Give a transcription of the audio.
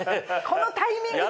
このタイミングで。